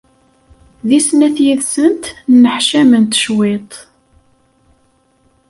Deg snat yid-sent nneḥcament cwiṭ.